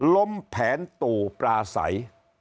ล้มแผนตู่ปลาใส